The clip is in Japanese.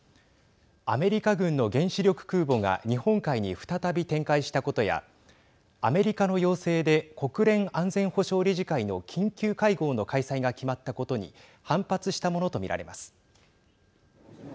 アメリカ軍の原子力空母が日本海に再び展開したことやアメリカの要請で国連安全保障理事会の緊急会合の開催が決まったことに反発したものと見られます。